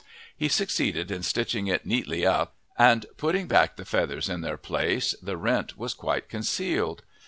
He succeeded in stitching it neatly up, and putting back the feathers in their place the rent was quite concealed.